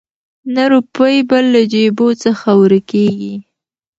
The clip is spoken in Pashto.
نه روپۍ به له جېبو څخه ورکیږي